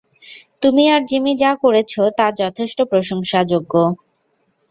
তুমি আর জিমি যা করেছ তা যথেষ্ট প্রশংসাযোগ্য।